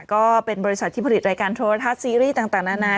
ก็เป็นบริษัทที่ผลิตรายการโทรทัศน์ซีรีส์ต่างนานา